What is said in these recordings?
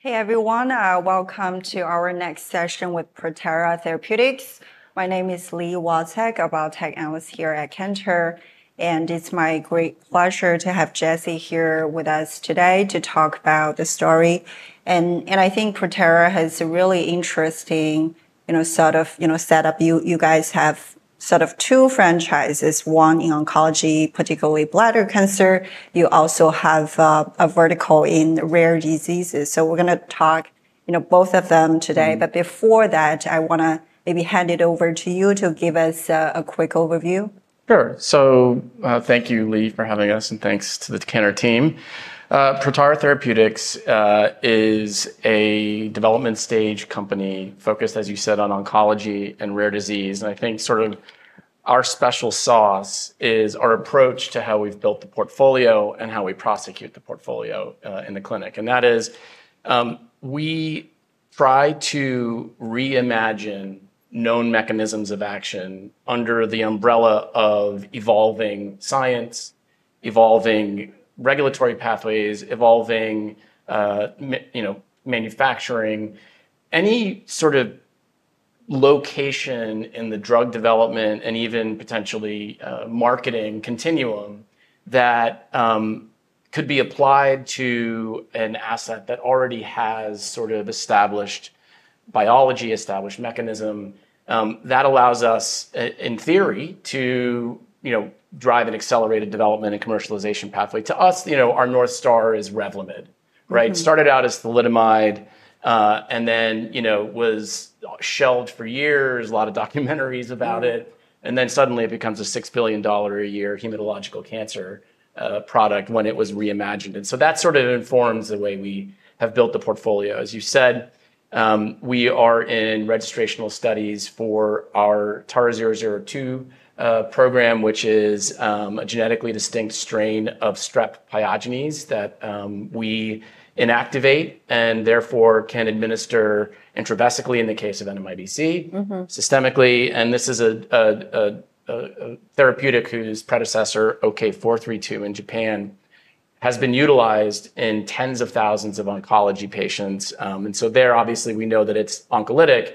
Hey everyone, welcome to our next session with Protara Therapeutics. My name is Lee Walthek, a biotech analyst here at Kenter, and it's my great pleasure to have Jesse here with us today to talk about the story. I think Protara has a really interesting, you know, sort of setup. You guys have sort of two franchises, one in oncology, particularly bladder cancer. You also have a vertical in rare diseases. We're going to talk, you know, both of them today. Before that, I want to maybe hand it over to you to give us a quick overview. Sure. Thank you, Lee, for having us, and thanks to the Kenter team. Protara Therapeutics is a development stage company focused, as you said, on oncology and rare disease. I think sort of our special sauce is our approach to how we've built the portfolio and how we prosecute the portfolio in the clinic. That is, we try to reimagine known mechanisms of action under the umbrella of evolving science, evolving regulatory pathways, evolving manufacturing, any sort of location in the drug development and even potentially marketing continuum that could be applied to an asset that already has sort of established biology, established mechanism, that allows us, in theory, to drive an accelerated development and commercialization pathway. To us, our North Star is Revlimid, right? Started out as thalidomide, and then was shelved for years, a lot of documentaries about it, and then suddenly it becomes a $6 billion a year hematological cancer product when it was reimagined. That sort of informs the way we have built the portfolio. As you said, we are in registrational studies for our TARA-002 program, which is a genetically distinct strain of Streptococcus pyogenes that we inactivate and therefore can administer intravesically in the case of NMIBC, systemically. This is a therapeutic whose predecessor, OK-432 in Japan, has been utilized in tens of thousands of oncology patients. Obviously, we know that it's oncolytic.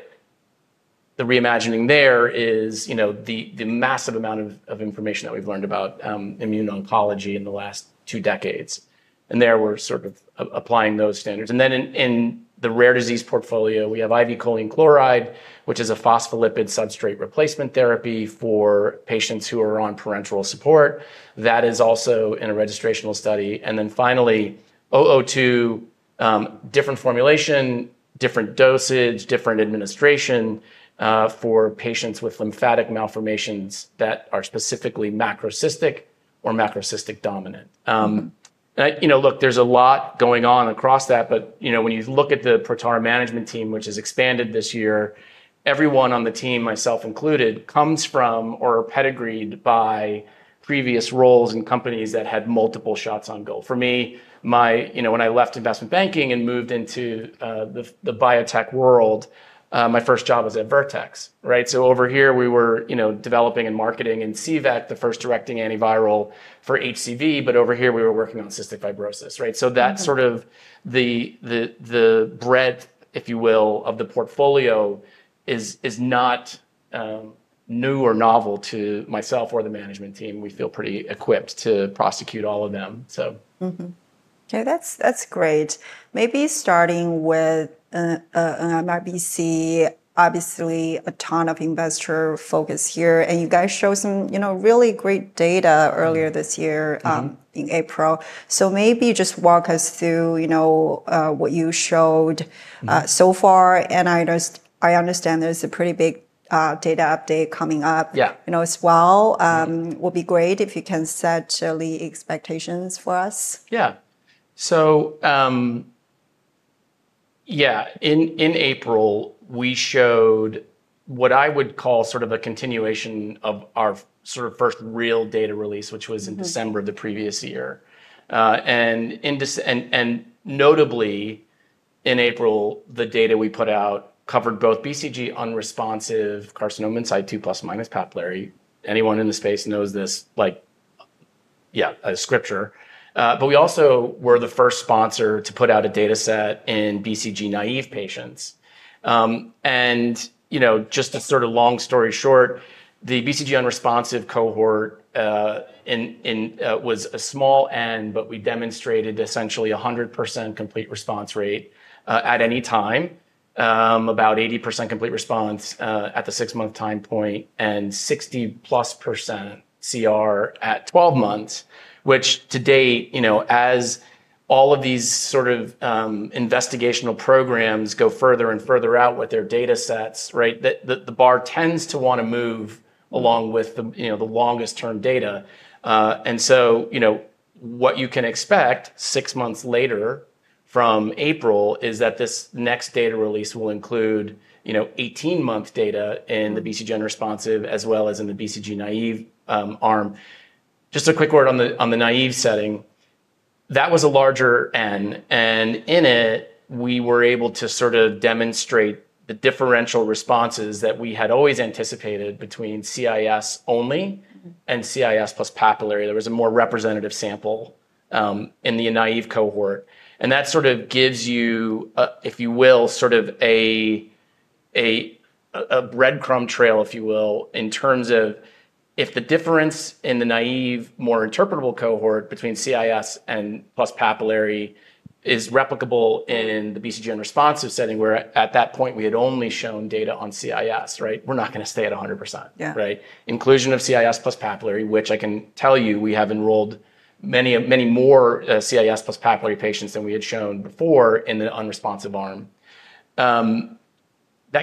The reimagining there is the massive amount of information that we've learned about immune oncology in the last two decades. There we're sort of applying those standards. In the rare disease portfolio, we have IV choline chloride, which is a phospholipid substrate replacement therapy for patients who are on parenteral support. That is also in a registrational study. Finally, TARA-002, different formulation, different dosage, different administration, for patients with lymphatic malformations that are specifically macrocystic or macrocystic dominant. There's a lot going on across that, but when you look at the Protara management team, which has expanded this year, everyone on the team, myself included, comes from or are pedigreed by previous roles in companies that had multiple shots on goal. For me, when I left investment banking and moved into the biotech world, my first job was at Vertex, right? Over here we were developing and marketing INCIVEK, the first direct-acting antiviral for HCV, but over here we were working on cystic fibrosis, right? That sort of the breadth, if you will, of the portfolio is not new or novel to myself or the management team. We feel pretty equipped to prosecute all of them. So, mm-hmm. Yeah, that's great. Maybe starting with NMIBC, obviously a ton of investor focus here, and you guys showed some really great data earlier this year, in April. Maybe just walk us through what you showed so far. I understand there's a pretty big data update coming up as well. It would be great if you can set early expectations for us. Yeah. In April, we showed what I would call sort of a continuation of our sort of first real data release, which was in December of the previous year. Notably, in April, the data we put out covered both BCG-unresponsive carcinoma in situ, plus or minus papillary. Anyone in the space knows this, like, yeah, a scripture. We also were the first sponsor to put out a data set in BCG-naive patients. Just to sort of long story short, the BCG-unresponsive cohort was a small n, but we demonstrated essentially a 100% complete response rate at any time, about 80% complete response at the six-month time point, and 60%+ CR at 12 months, which to date, as all of these investigational programs go further and further out with their data sets, the bar tends to want to move along with the longest term data. What you can expect six months later from April is that this next data release will include 18 months data in the BCG-unresponsive as well as in the BCG-naive arm. Just a quick word on the naive setting. That was a larger N, and in it, we were able to demonstrate the differential responses that we had always anticipated between CIS only and CIS plus papillary. There was a more representative sample in the naive cohort. That gives you, if you will, a breadcrumb trail in terms of if the difference in the naive, more interpretable cohort between CIS and plus papillary is replicable in the BCG-unresponsive setting, where at that point we had only shown data on CIS. We're not going to stay at 100%. Inclusion of CIS plus papillary, which I can tell you we have enrolled many, many more CIS plus papillary patients than we had shown before in the unresponsive arm,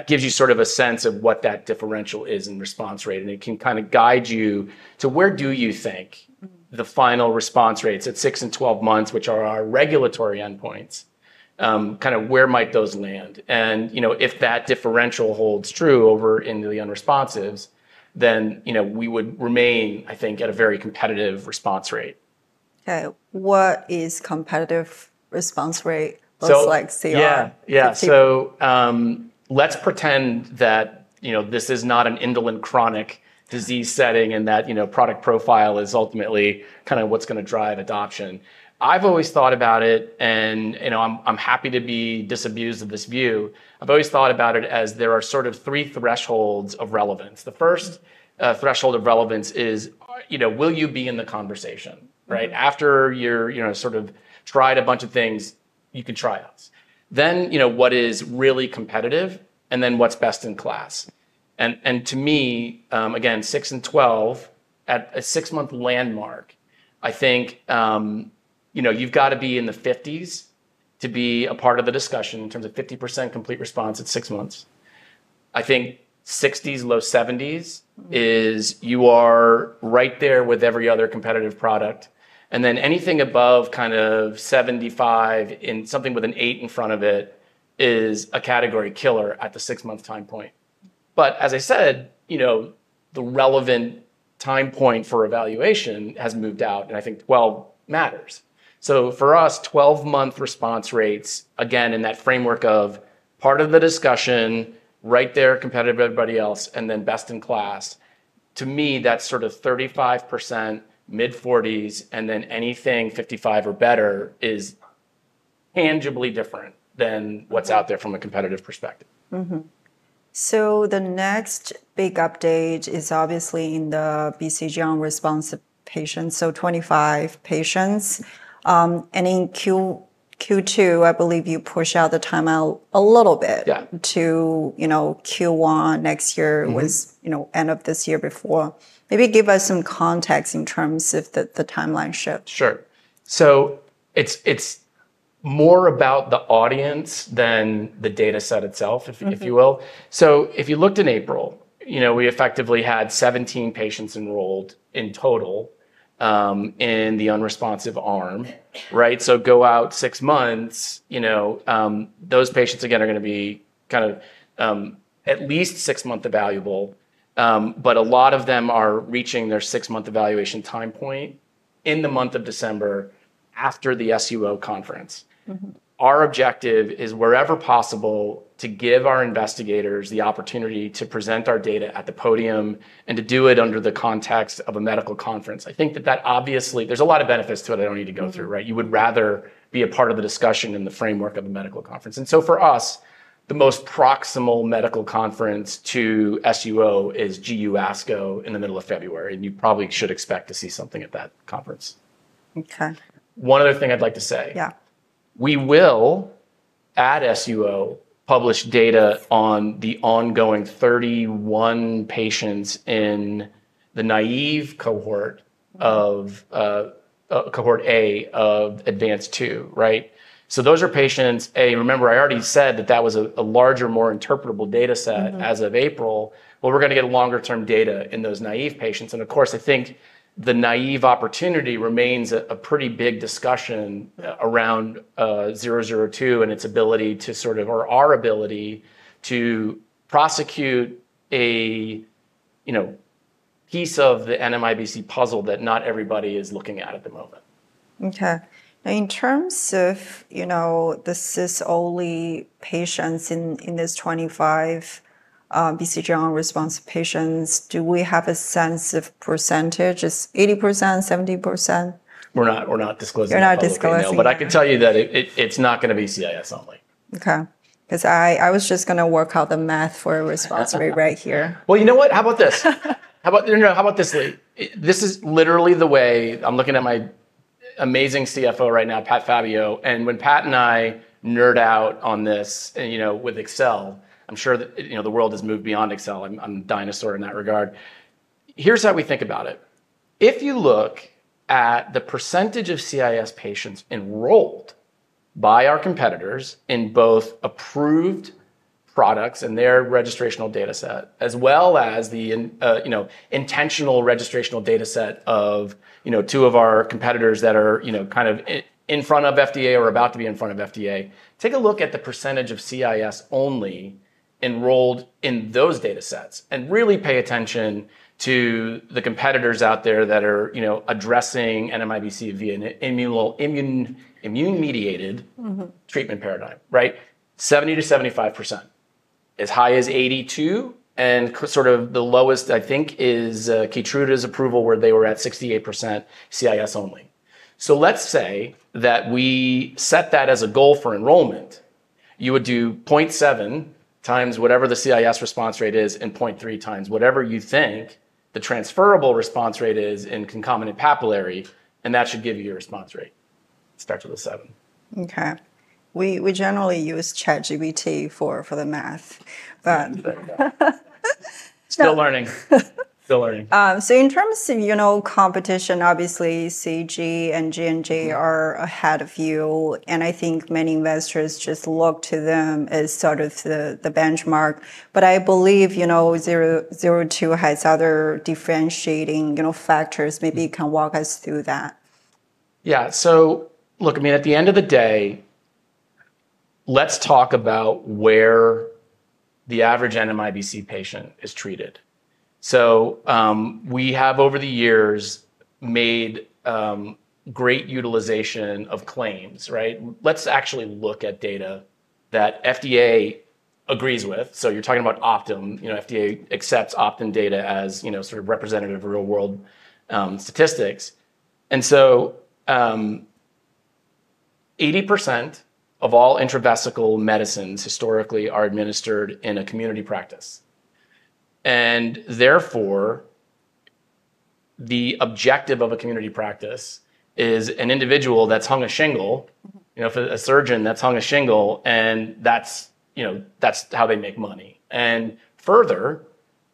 gives you a sense of what that differential is in response rate, and it can kind of guide you to where you think the final response rates at six and 12 months, which are our regulatory endpoints, might land. If that differential holds true over in the unresponsives, then we would remain, I think, at a very competitive response rate. Okay. What does competitive response rate look like? Yeah. Let's pretend that this is not an indolent chronic disease setting and that product profile is ultimately kind of what's going to drive adoption. I've always thought about it, and I'm happy to be disabused of this view. I've always thought about it as there are sort of three thresholds of relevance. The first threshold of relevance is, will you be in the conversation, right? After you've tried a bunch of things, you can try those. What is really competitive and then what's best in class. To me, again, six and 12 at a six-month landmark, I think you've got to be in the fifties to be a part of the discussion in terms of 50% complete response at six months. I think sixties, low seventies is you are right there with every other competitive product. Anything above kind of 75% in something with an eight in front of it is a category killer at the six-month time point. As I said, the relevant time point for evaluation has moved out, and I think 12 matters. For us, 12-month response rates, again, in that framework of part of the discussion, right there, competitive to everybody else, and then best in class. To me, that's sort of 35% mid-forties, and then anything 55% or better is tangibly different than what's out there from a competitive perspective. The next big update is obviously in the BCG-unresponsive patients, so 25 patients. In Q2, I believe you pushed out the timeline a little bit to Q1 next year with end of this year before. Maybe give us some context in terms of the timeline shift. Sure. It's more about the audience than the data set itself, if you will. If you looked in April, we effectively had 17 patients enrolled in total in the unresponsive arm, right? Go out six months, those patients again are going to be at least six-month evaluable. A lot of them are reaching their six-month evaluation time point in the month of December after the SUO conference. Our objective is wherever possible to give our investigators the opportunity to present our data at the podium and to do it under the context of a medical conference. I think that obviously, there's a lot of benefits to it I don't need to go through, right? You would rather be a part of the discussion in the framework of a medical conference. For us, the most proximal medical conference to SUO is GU ASCO in the middle of February, and you probably should expect to see something at that conference. Okay. One other thing I'd like to say. Yeah. We will, at SUO, publish data on the ongoing 31 patients in the naive cohort of cohort A of advanced two, right? Those are patients, A, remember I already said that that was a larger, more interpretable data set as of April. We are going to get longer term data in those naive patients. I think the naive opportunity remains a pretty big discussion around 002 and its ability to sort of, or our ability to prosecute a, you know, piece of the NMIBC puzzle that not everybody is looking at at the moment. Okay. Now, in terms of, you know, this is only patients in this 25, BCG-unresponsive patients, do we have a sense of percentage? Is 80%, 70%? We're not disclosing anything. You're not disclosing. No, but I can tell you that it's not going to be CIS only. Okay, because I was just going to work out the math for a response rate right here. How about this, Lee? This is literally the way I'm looking at my amazing CFO right now, Pat Fabbio. When Pat and I nerd out on this, and you know, with Excel, I'm sure that the world has moved beyond Excel. I'm a dinosaur in that regard. Here's how we think about it. If you look at the percentage of CIS patients enrolled by our competitors in both approved products and their registrational data set, as well as the intentional registrational data set of two of our competitors that are kind of in front of FDA or about to be in front of FDA, take a look at the percentage of CIS only enrolled in those data sets and really pay attention to the competitors out there that are addressing NMIBC via an immune-mediated treatment paradigm, right? 70% - 75%. As high as 82% and sort of the lowest, I think, is Keytruda's approval where they were at 68% CIS only. Let's say that we set that as a goal for enrollment. You would do 0.7 times whatever the CIS response rate is and 0.3 times whatever you think the transferable response rate is in concomitant papillary, and that should give you your response rate, start with a seven. Okay. We generally use ChatGPT for the math. Still learning. Still learning. In terms of competition, obviously CG and G&G are ahead of you, and I think many investors just look to them as sort of the benchmark. I believe 002 has other differentiating factors. Maybe you can walk us through that. Yeah. At the end of the day, let's talk about where the average NMIBC patient is treated. We have over the years made great utilization of claims, right? Let's actually look at data that FDA agrees with. You're talking about Optum. FDA accepts Optum data as sort of representative of real-world statistics. 80% of all intravesical medicines historically are administered in a community practice. Therefore, the objective of a community practice is an individual that's hung a shingle, for a surgeon that's hung a shingle, and that's how they make money. Further,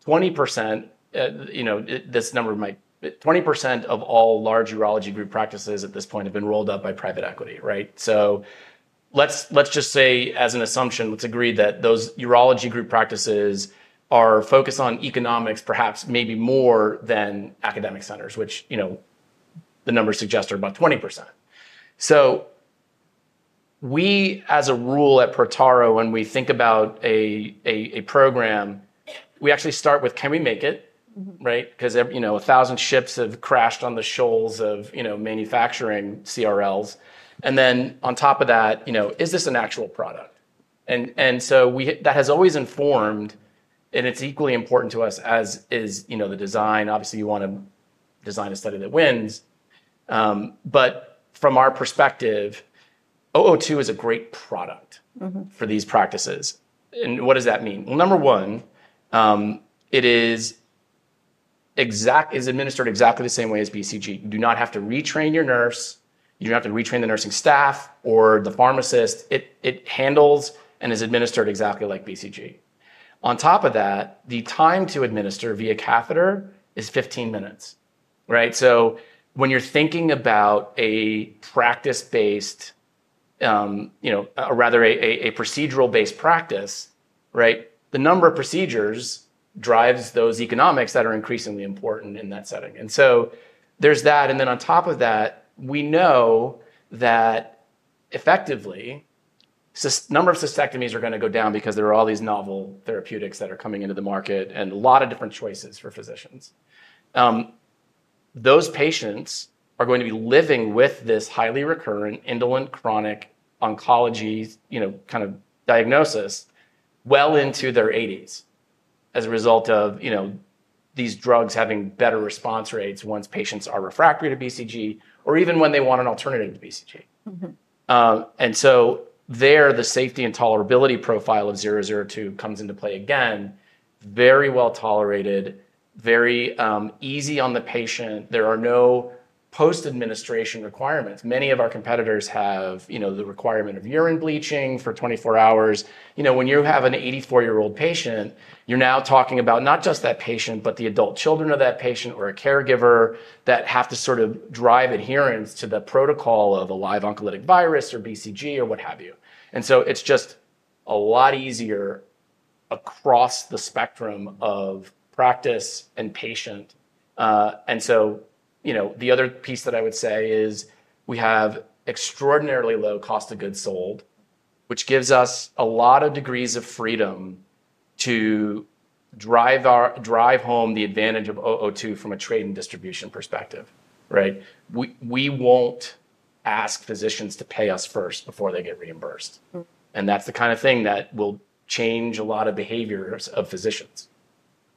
20%, this number might, 20% of all large urology group practices at this point have been rolled up by private equity, right? Let's just say as an assumption, let's agree that those urology group practices are focused on economics, perhaps maybe more than academic centers, which the numbers suggest are about 20%. We, as a rule at Protara, when we think about a program, we actually start with, can we make it, right? A thousand ships have crashed on the shoals of manufacturing CRLs. On top of that, is this an actual product? That has always informed, and it's equally important to us as is the design. Obviously, you want to design a study that wins. From our perspective, 002 is a great product for these practices. What does that mean? Number one, it is administered exactly the same way as BCG. You do not have to retrain your nurse. You don't have to retrain the nursing staff or the pharmacist. It handles and is administered exactly like BCG. On top of that, the time to administer via catheter is 15 minutes, right? When you're thinking about a procedural-based practice, the number of procedures drives those economics that are increasingly important in that setting. There's that. On top of that, we know that effectively, a number of cystectomies are going to go down because there are all these novel therapeutics that are coming into the market and a lot of different choices for physicians. Those patients are going to be living with this highly recurrent indolent chronic oncology, you know, kind of diagnosis well into their eighties as a result of, you know, these drugs having better response rates once patients are refractory to BCG or even when they want an alternative to BCG. There, the safety and tolerability profile of TARA-002 comes into play again. Very well tolerated, very easy on the patient. There are no post-administration requirements. Many of our competitors have, you know, the requirement of urine bleaching for 24 hours. When you have an 84-year-old patient, you're now talking about not just that patient, but the adult children of that patient or a caregiver that have to sort of drive adherence to the protocol of a live oncolytic virus or BCG or what have you. It's just a lot easier across the spectrum of practice and patient. The other piece that I would say is we have extraordinarily low cost of goods sold, which gives us a lot of degrees of freedom to drive home the advantage of 002 from a trade and distribution perspective, right? We won't ask physicians to pay us first before they get reimbursed. That's the kind of thing that will change a lot of behaviors of physicians.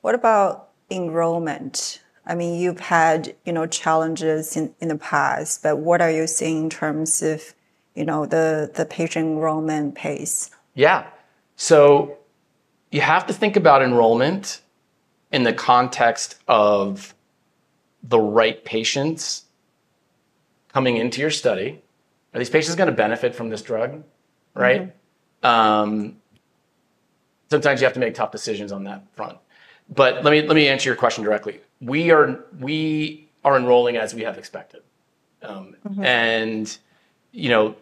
What about enrollment? I mean, you've had challenges in the past, but what are you seeing in terms of the patient enrollment pace? You have to think about enrollment in the context of the right patients coming into your study. Are these patients going to benefit from this drug, right? Sometimes you have to make tough decisions on that front. Let me answer your question directly. We are enrolling as we have expected, and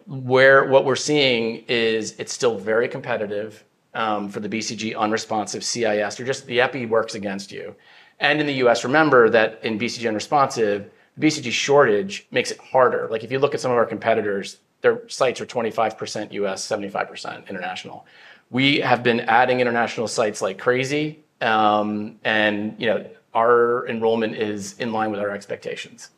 what we're seeing is it's still very competitive for the BCG-unresponsive CIS, or just the epi works against you. In the U.S., remember that in BCG-unresponsive, BCG shortage makes it harder. If you look at some of our competitors, their sites are 25% U.S., 75% international. We have been adding international sites like crazy, and our enrollment is in line with our expectations.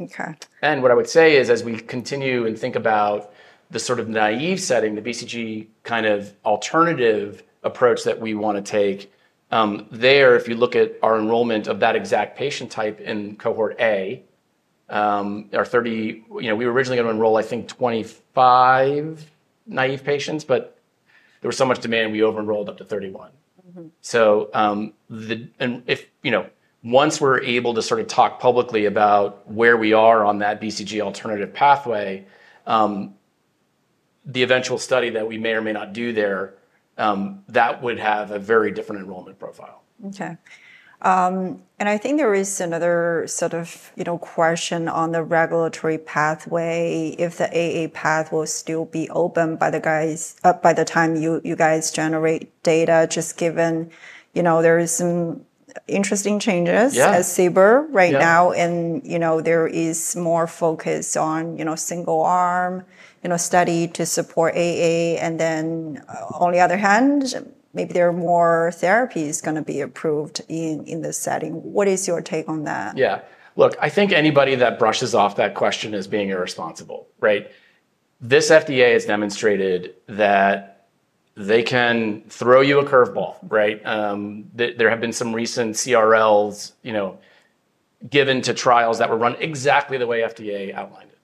Okay. As we continue and think about the sort of naive setting, the BCG kind of alternative approach that we want to take, if you look at our enrollment of that exact patient type in cohort A, our 30, you know, we were originally going to enroll, I think, 25 naive patients, but there was so much demand, we over-enrolled up to 31. If, you know, once we're able to sort of talk publicly about where we are on that BCG alternative pathway, the eventual study that we may or may not do there would have a very different enrollment profile. Okay. I think there is another sort of question on the regulatory pathway. If the accelerated approval path will still be open by the time you guys generate data, just given there are some interesting changes at CBER right now. There is more focus on single-arm study to support accelerated approval. On the other hand, maybe there are more therapies going to be approved in this setting. What is your take on that? Yeah. Look, I think anybody that brushes off that question is being irresponsible, right? This FDA has demonstrated that they can throw you a curveball, right? There have been some recent CRLs given to trials that were run exactly the way FDA outlined it.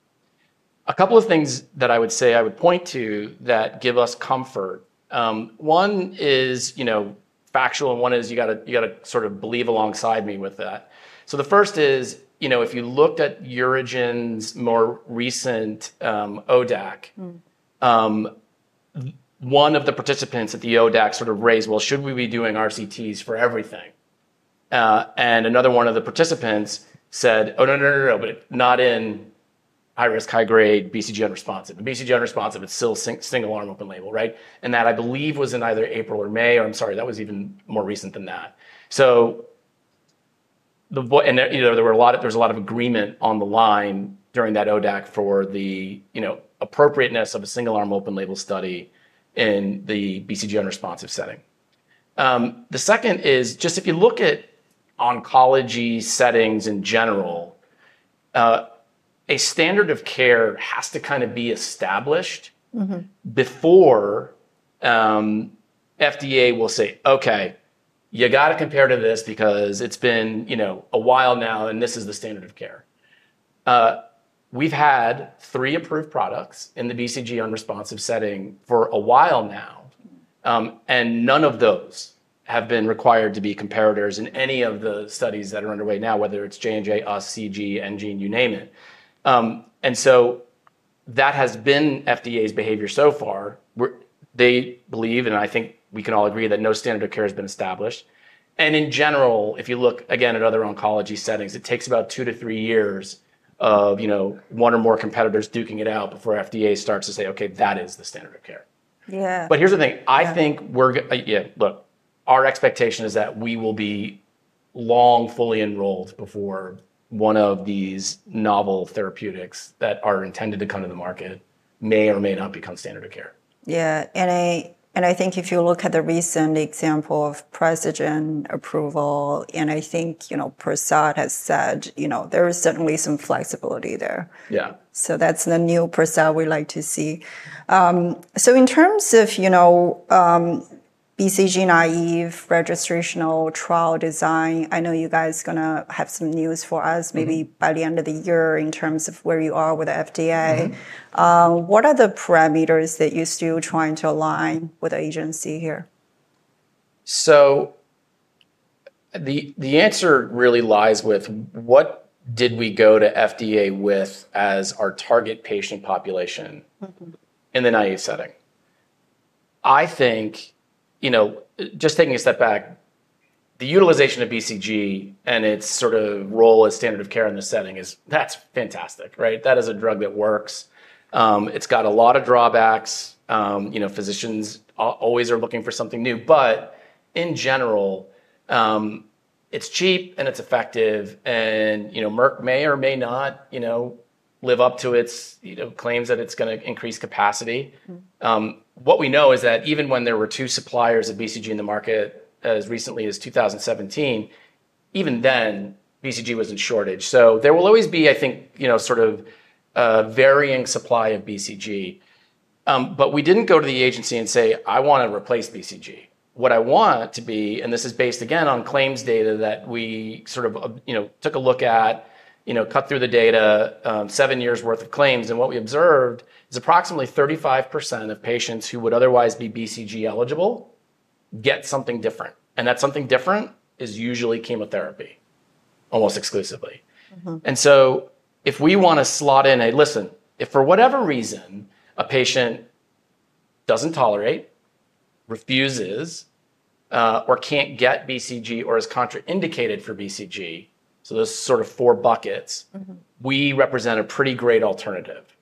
A couple of things that I would say I would point to that give us comfort. One is factual, and one is you got to sort of believe alongside me with that. The first is, if you looked at UroGen's more recent ODAC, one of the participants at the ODAC sort of raised, should we be doing RCTs for everything? Another one of the participants said, oh no, no, no, no, no, but not in high risk, high grade BCG-unresponsive. The BCG-unresponsive is still single-arm open label, right? I believe that was in either April or May, or I'm sorry, that was even more recent than that. There was a lot of agreement on the line during that ODAC for the appropriateness of a single-arm open label study in the BCG-unresponsive setting. The second is just if you look at oncology settings in general, a standard of care has to kind of be established before FDA will say, okay, you got to compare to this because it's been a while now, and this is the standard of care. We've had three approved products in the BCG-unresponsive setting for a while now, and none of those have been required to be comparators in any of the studies that are underway now, whether it's J&J, us, CG, NG, you name it. That has been FDA's behavior so far. They believe, and I think we can all agree, that no standard of care has been established. In general, if you look again at other oncology settings, it takes about 2 years-3 years of one or more competitors duking it out before FDA starts to say, okay, that is the standard of care. Yeah. Here's the thing. I think we're, yeah, look, our expectation is that we will be long fully enrolled before one of these novel therapeutics that are intended to come to the market may or may not become standard of care. Yeah. I think if you look at the recent example of Precision approval, I think, you know, Prasad has said, you know, there is certainly some flexibility there Yeah. That's the new Prasad we like to see. In terms of, you know, BCG-naive registrational trial design, I know you guys are going to have some news for us maybe by the end of the year in terms of where you are with the FDA. What are the parameters that you're still trying to align with the agency here? The answer really lies with what did we go to FDA with as our target patient population in the naive setting. I think, just taking a step back, the utilization of BCG and its sort of role as standard of care in this setting is fantastic, right? That is a drug that works. It's got a lot of drawbacks. Physicians always are looking for something new, but in general, it's cheap and it's effective. Merck may or may not live up to its claims that it's going to increase capacity. What we know is that even when there were two suppliers of BCG in the market as recently as 2017, even then BCG was in shortage. There will always be, I think, sort of a varying supply of BCG. We didn't go to the agency and say, I want to replace BCG. What I want to be, and this is based again on claims data that we took a look at, cut through the data, seven years' worth of claims. What we observed is approximately 35% of patients who would otherwise be BCG eligible get something different. That something different is usually chemotherapy, almost exclusively. If we want to slot in a, listen, if for whatever reason a patient doesn't tolerate, refuses, or can't get BCG or is contraindicated for BCG, those sort of four buckets, we represent a pretty great alternative.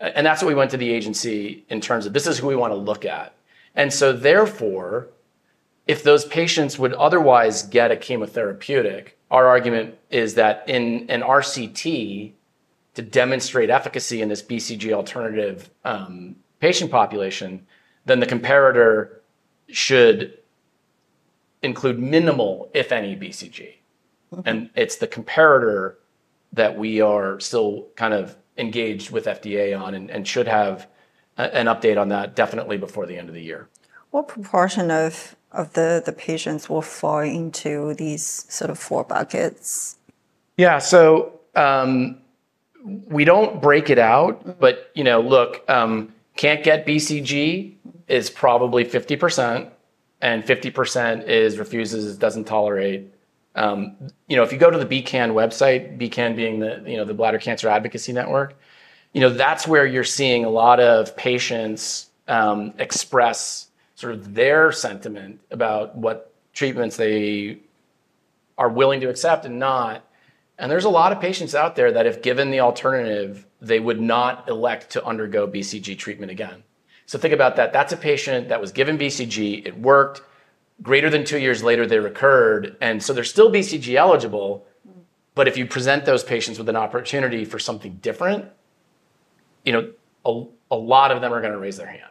That's what we went to the agency in terms of this is who we want to look at. Therefore, if those patients would otherwise get a chemotherapeutic, our argument is that in an RCT to demonstrate efficacy in this BCG alternative patient population, then the comparator should include minimal, if any, BCG. It's the comparator that we are still kind of engaged with FDA on and should have an update on that definitely before the end of the year. What proportion of the patients will fall into these sort of four buckets? Yeah, we don't break it out, but, you know, look, can't get BCG is probably 50% and 50% is refuses, doesn't tolerate. If you go to the BCAN website, BCAN being the Bladder Cancer Advocacy Network, that's where you're seeing a lot of patients express sort of their sentiment about what treatments they are willing to accept and not. There's a lot of patients out there that if given the alternative, they would not elect to undergo BCG treatment again. Think about that. That's a patient that was given BCG, it worked, greater than two years later, they recurred, and they're still BCG eligible. If you present those patients with an opportunity for something different, a lot of them are going to raise their hand.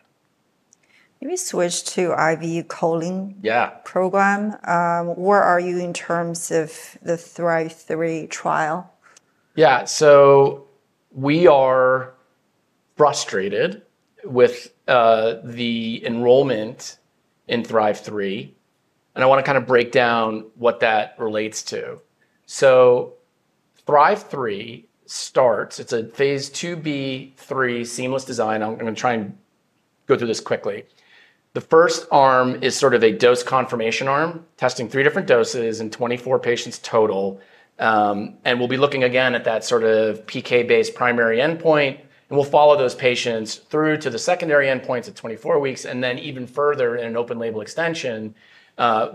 Maybe switch to IV choline program. Where are you in terms of the THRIVE-3 trial? Yeah, we are frustrated with the enrollment in THRIVE-3. I want to kind of break down what that relates to. THRIVE-3 starts, it's a phase II- B3 seamless design. I'm going to try and go through this quickly. The first arm is sort of a dose confirmation arm, testing three different doses in 24 patients total. We'll be looking again at that sort of PK-based primary endpoint. We'll follow those patients through to the secondary endpoints at 24 weeks, and then even further in an open label extension,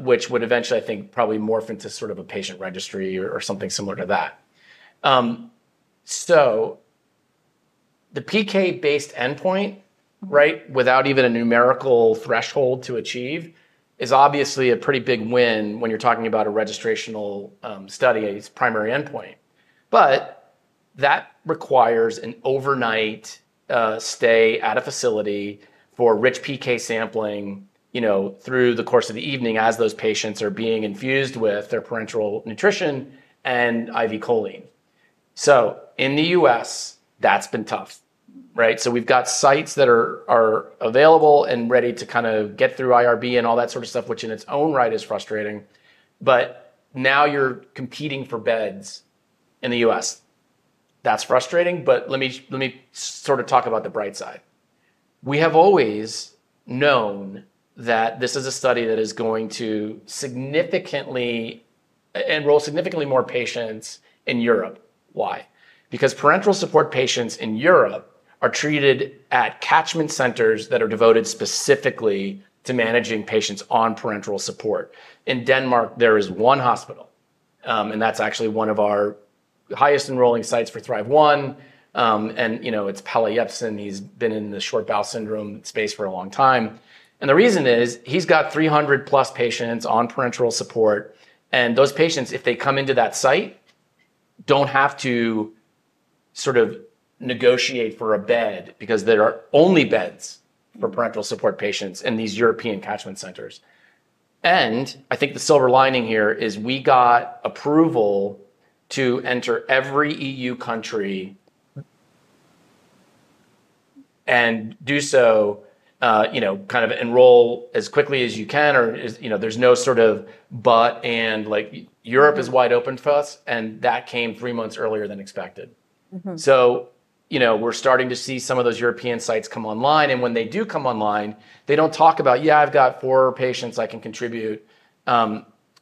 which would eventually, I think, probably morph into sort of a patient registry or something similar to that. The PK-based endpoint, right, without even a numerical threshold to achieve, is obviously a pretty big win when you're talking about a registrational study as primary endpoint. That requires an overnight stay at a facility for rich PK sampling through the course of the evening as those patients are being infused with their parenteral nutrition and IV choline. In the U.S., that's been tough. We've got sites that are available and ready to kind of get through IRB and all that sort of stuff, which in its own right is frustrating. Now you're competing for beds in the U.S. That's frustrating. Let me sort of talk about the bright side. We have always known that this is a study that is going to enroll significantly more patients in Europe. Why? Because parenteral support patients in Europe are treated at catchment centers that are devoted specifically to managing patients on parenteral support. In Denmark, there is one hospital, and that's actually one of our highest enrolling sites for THRIVE-1. It's Palle Jepsen. He's been in the short bowel syndrome space for a long time. The reason is he's got 300 + patients on parenteral support. Those patients, if they come into that site, don't have to sort of negotiate for a bed because there are only beds for parenteral support patients in these European catchment centers. The silver lining here is we got approval to enter every EU country and do so, you know, kind of enroll as quickly as you can, or as, you know, there's no sort of, but, and like Europe is wide open to us, and that came three months earlier than expected. We're starting to see some of those European sites come online, and when they do come online, they don't talk about, yeah, I've got four patients I can contribute.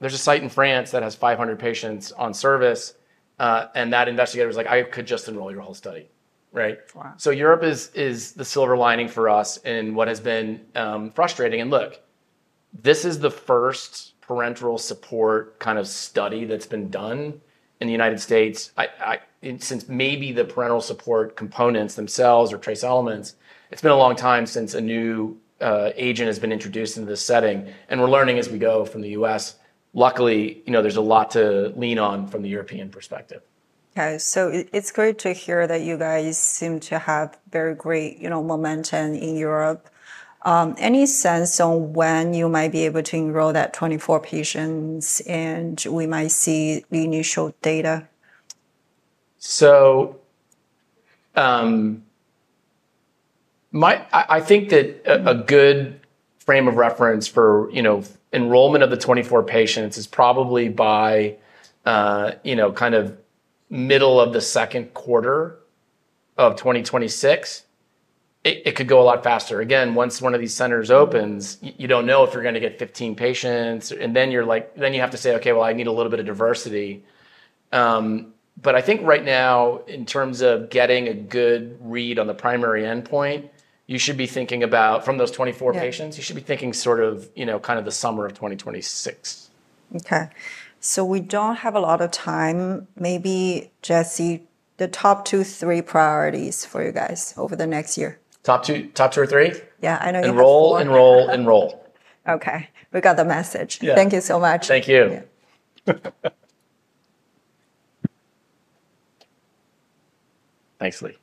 There's a site in France that has 500 patients on service, and that investigator was like, I could just enroll your whole study, right? Europe is the silver lining for us in what has been frustrating. This is the first parenteral support kind of study that's been done in the United States. Since maybe the parenteral support components themselves are trace elements, it's been a long time since a new agent has been introduced into this setting. We're learning as we go from the U.S. Luckily, there's a lot to lean on from the European perspective. Okay. It's great to hear that you guys seem to have very great, you know, momentum in Europe. Any sense on when you might be able to enroll that 24 patients and we might see the initial data? I think that a good frame of reference for enrollment of the 24 patients is probably by kind of middle of the second quarter of 2026. It could go a lot faster. Again, once one of these centers opens, you don't know if you're going to get 15 patients, and then you have to say, okay, I need a little bit of diversity. I think right now, in terms of getting a good read on the primary endpoint, you should be thinking about, from those 24 patients, you should be thinking sort of the summer of 2026. Okay. We don't have a lot of time. Maybe, Jesse, the top two or three priorities for you guys over the next year. Top two or three? Yeah, I know you're thinking. Enroll, enroll, enroll. Okay, we got the message. Thank you so much. Thank you. Thanks, Lee.